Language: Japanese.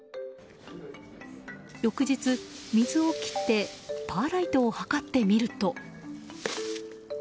翌日、水を切ってパーライトを測ってみると。